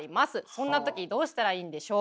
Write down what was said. そんな時どうしたらいいんでしょう？